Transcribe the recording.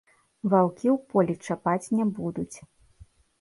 Ваўкі ў полі чапаць не будуць.